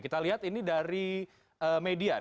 kita lihat ini dari asal diskusi com